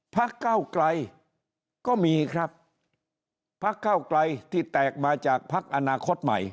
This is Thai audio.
พักเก้าไกลก็มีครับพักเก้าไกลที่แตกมาจากพักอนาคตใหม่